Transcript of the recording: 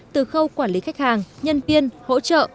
từ khâu quản lý khách hàng nhân viên hỗ trợ